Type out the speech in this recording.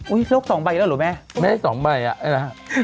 อุ๊ยโลกสองใบแล้วหรือแม่ไม่ได้สองใบอะเอ๊ะล่ะ